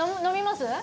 飲みます？